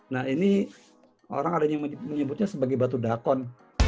nah ini orang ada yang menyebutnya sebagai batu dakon